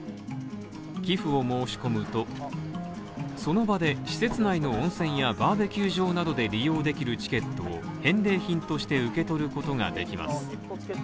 寄付を申し込むとその場で施設内の温泉やバーベキュー場などで利用できるチケットを返礼品として受け取ることができます。